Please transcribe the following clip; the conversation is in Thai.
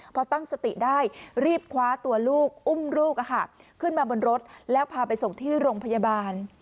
พอตั้งสติได้รีบคว้าตัวลูกอุ้มลูกขึ้นมาบนรถแล้วพาไปส่งที่โรงพยาบาล